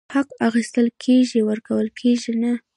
حق اخيستل کيږي، ورکول کيږي نه !!